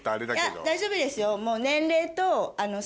いや大丈夫ですよ。